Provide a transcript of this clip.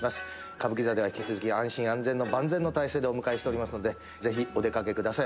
「歌舞伎座では引き続き安心安全の万全の体制でお迎えしておりますのでぜひお出かけください。